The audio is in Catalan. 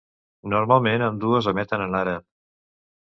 Normalment ambdues emeten en àrab.